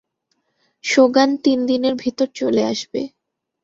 সোগান তিনদিনের ভিতর চলে আসবে।